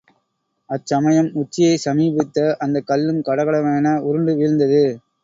அச்சமயம் உச்சியைச் சமீபித்த அந்தக் கல்லும் கடகடகட என உருண்டு வீழ்ந்தது.